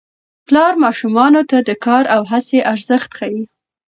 پلار ماشومانو ته د کار او هڅې ارزښت ښيي